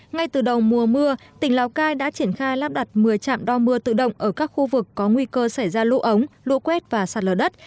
ngay từ đầu mùa mưa tỉnh lào cai đã triển khai lắp đặt một mươi trạm đo mưa tự động ở các khu vực có nguy cơ xảy ra lũ ống lũ quét và sạt lở đất